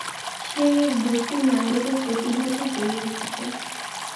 সেই এক বস্তুই নানারূপে প্রতিভাত হইতেছে।